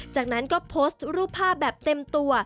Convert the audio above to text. จากนั้นก็โพสต์รูปภาพแบบเต็มตัว